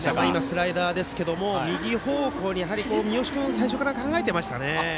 スライダーですけど右方向に三好君、最初から考えていましたかね。